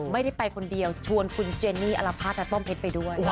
ไม่ได้ไปคนเดียวชวนคุณเจนี่อรภาษณป้อมเพชรไปด้วย